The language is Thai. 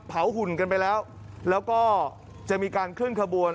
หุ่นกันไปแล้วแล้วก็จะมีการเคลื่อนขบวน